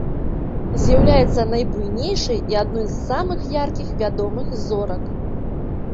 З'яўляецца найбуйнейшай і адной з самых яркіх вядомых зорак.